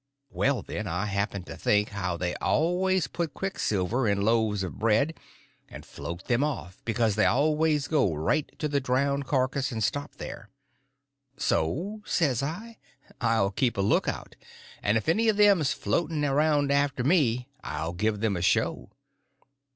Well, then I happened to think how they always put quicksilver in loaves of bread and float them off, because they always go right to the drownded carcass and stop there. So, says I, I'll keep a lookout, and if any of them's floating around after me I'll give them a show.